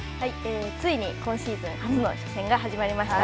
ついに今シーズン初の始まりました。